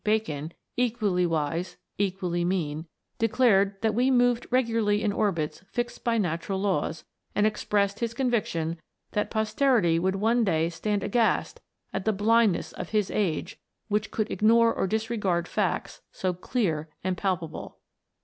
Bacon, equally wise, equally mean declared that we moved regularly in orbits fixed by natural laws, and expressed his conviction that posterity would one day stand aghast at the blindness of his age, which could ignore or disregard facts so clear and palpable.